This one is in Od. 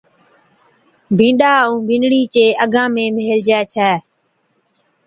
بِينڏَ ائُون بِينڏڙِي چي اَگا ۾ ميلهجي ڇَي